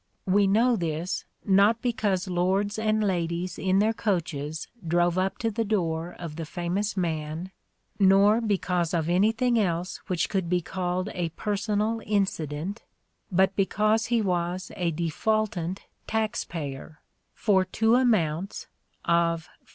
We know this, not because lords and ladies in their coaches drove up to the door of the famous man, nor because of anything else which could be called a personal " incident," but because he was a defaultant taxpayer (for two amounts of 55.